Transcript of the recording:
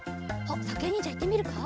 さくやにんじゃいってみるか？